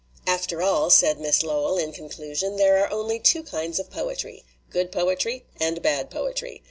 "After all," said Miss Lowell, in conclusion, "there are only two kinds of poetry, good poetry and bad poetry.